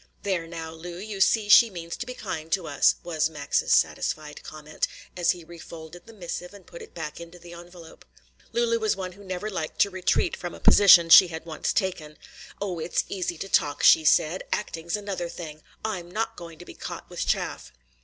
"There now, Lu, you see she means to be kind to us," was Max's satisfied comment, as he refolded the missive and put it back into the envelope. Lulu was one who never liked to retreat from a position she had once taken. "Oh, it's easy to talk," she said, "acting's another thing. I'm not going to be caught with chaff."